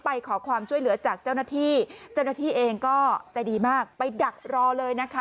ไปขอความช่วยเหลือจากเจ้าหน้าที่เจ้าหน้าที่เองก็ใจดีมากไปดักรอเลยนะคะ